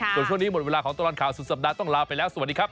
ส่วนช่วงนี้หมดเวลาของตลอดข่าวสุดสัปดาห์ต้องลาไปแล้วสวัสดีครับ